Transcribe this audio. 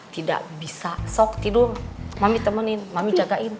tidak bisa sok tidur mami temenin mami jagain